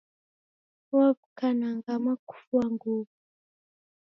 Waw'uka na ngama kufua nguw'o.